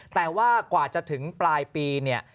แต่ว่ากว่าจะถึงปลายปีเนี่ย